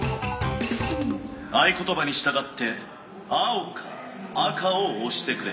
「合言葉に従って青か赤を押してくれ」。